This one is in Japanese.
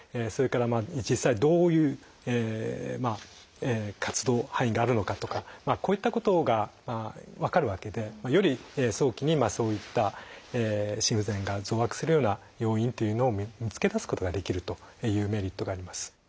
それから実際どういう活動範囲があるのかとかこういったことが分かるわけでより早期にそういった心不全が増悪するような要因というのを見つけ出すことができるというメリットがあります。